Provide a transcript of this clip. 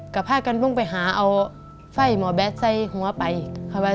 ก็ฮากันป้องไปหาเอาไฟหัวแบดไซด์ของเขาไป